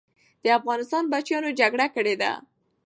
د افغانستان بچیانو جګړه کړې ده.